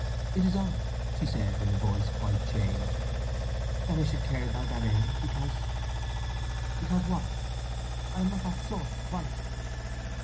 "It is odd," she said, in a voice quite changed, "that I should care about that air; because—" "Because what?" "I am not that sort—quite."